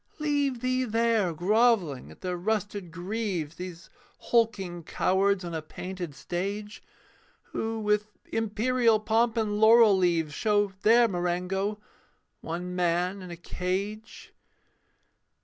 Leave thee there grovelling at their rusted greaves, These hulking cowards on a painted stage, Who, with imperial pomp and laurel leaves, Show their Marengo one man in a cage.